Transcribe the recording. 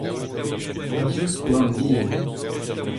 div skouarn vihan.